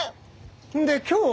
で今日は。